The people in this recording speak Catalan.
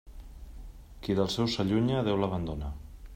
Qui dels seus s'allunya, Déu l'abandona.